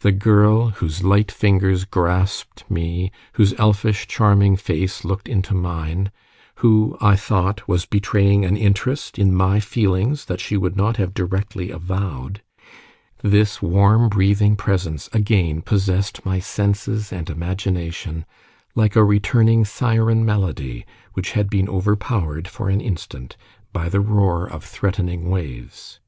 The girl whose light fingers grasped me, whose elfish charming face looked into mine who, I thought, was betraying an interest in my feelings that she would not have directly avowed, this warm breathing presence again possessed my senses and imagination like a returning siren melody which had been overpowered for an instant by the roar of threatening waves.